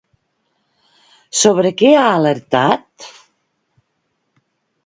Sobre què ha alertat?